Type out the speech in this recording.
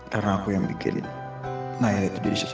karena aku yang bikin nayla itu jadi stres